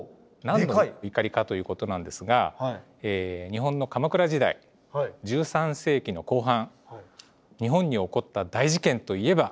何の碇かということなんですが日本の鎌倉時代１３世紀の後半日本に起こった大事件といえば？